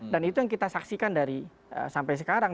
dan itu yang kita saksikan dari sampai sekarang